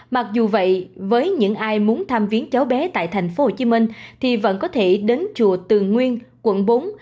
mặc dù vậy với những ai muốn tham viến cháu bé tại tp hcm thì vẫn có thể đến chùa tường nguyên quận bốn